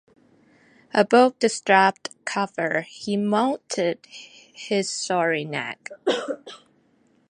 Above the strapped cover, he mounted his sorry nag.